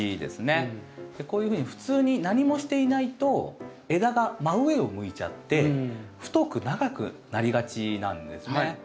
こういうふうに普通に何もしていないと枝が真上を向いちゃって太く長くなりがちなんですね。